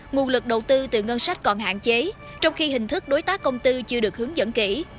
nguồn lực đầu tư từ ngân sách còn hạn chế trong khi hình thức đối tác công tư chưa được hướng dẫn kỹ